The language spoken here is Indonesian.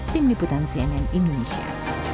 tim liputan cnn indonesia